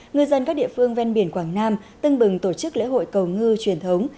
ngư dân các địa phương ven biển quảng nam tưng bừng tổ chức lễ hội cầu ngư truyền thống